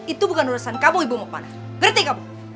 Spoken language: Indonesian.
itu bukan urusan kamu ibu mau kemana berarti kamu